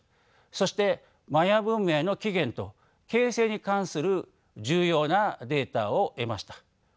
そしてマヤ文明の起源と形成に関する重要なデータを得ました。